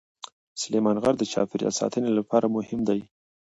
سلیمان غر د چاپیریال ساتنې لپاره مهم دی.